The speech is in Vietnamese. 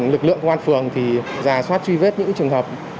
lực lượng công an phường thì giả soát truy vết những trường hợp